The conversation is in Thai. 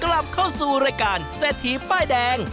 กลับเข้าสู่รายการเศรษฐีป้ายแดง